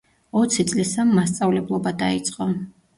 ოცი წლისამ მასწავლებლობა დაიწყო.